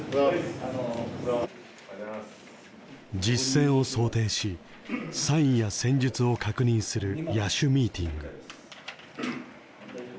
実戦を想定しサインや戦術を確認する野手ミーティング。